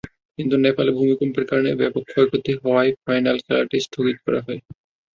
কিন্তু নেপালে ভূমিকম্পের কারণে ব্যাপক ক্ষয়ক্ষতি হওয়ায় ফাইনাল খেলাটি স্থগিত করা হয়।